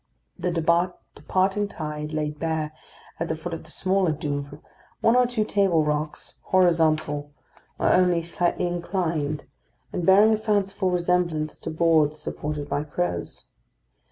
The departing tide laid bare, at the foot of the smaller Douvre, one or two table rocks, horizontal, or only slightly inclined, and bearing a fanciful resemblance to boards supported by crows.